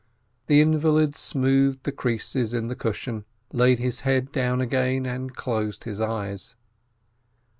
The invalid smoothed the creases in the cushion, laid his head down again, and closed his eyes.